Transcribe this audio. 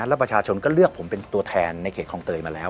แล้วประชาชนก็เลือกผมเป็นตัวแทนในเขตคลองเตยมาแล้ว